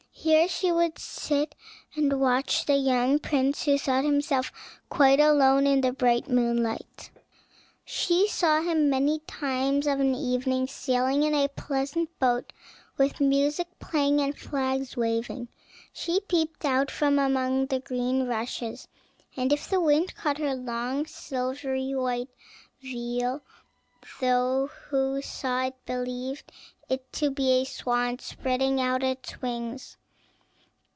Here she would sit and watch the young prince, who thought himself quite alone in the bright moonlight. She saw him many times of an evening sailing in a pleasant boat, with music playing and flags waving. She peeped out from among the green rushes, and if the wind caught her long silvery white veil, those who saw it believed it to be a swan, spreading out its wings.